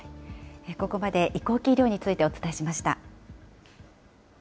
ここまで移行期医療についてお伝えしました。